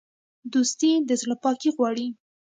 دوستي د زړه پاکي غواړي.